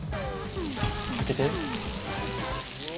開けて。